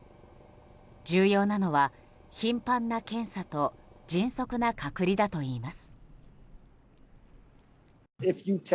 重要なのは、頻繁な検査と迅速な隔離だといいます。